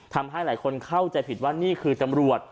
ทำให้หลายคนเข้าใจผิดว่านี่คือตำรวจ